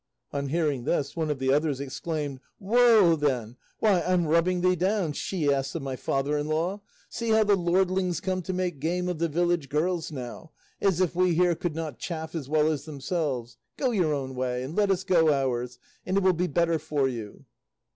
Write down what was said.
On hearing this, one of the others exclaimed, "Woa then! why, I'm rubbing thee down, she ass of my father in law! See how the lordlings come to make game of the village girls now, as if we here could not chaff as well as themselves. Go your own way, and let us go ours, and it will be better for you."